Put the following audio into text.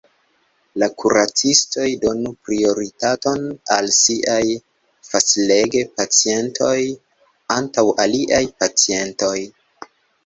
La kuracistoj donu prioritaton al siaj fastlege-pacientoj antaŭ aliaj pacientoj.